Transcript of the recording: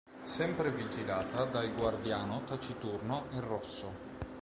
Sempre vigilata dal guardiano taciturno e rosso.